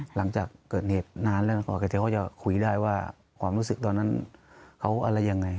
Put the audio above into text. หลังจากเกิดเหตุนานแล้วนะครับเดี๋ยวเขาจะคุยได้ว่าความรู้สึกตอนนั้นเขาอะไรยังไง